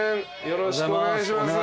よろしくお願いします。